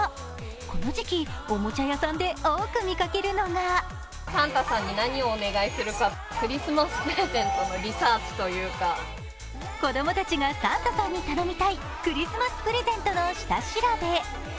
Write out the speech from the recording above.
この時期、おもちゃ屋さんで多く見かけるのが子供たちがサンタさんに頼みたいクリスマスプレゼントの下調べ。